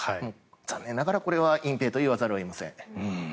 残念ながら、これは隠ぺいと言わざるを得ません。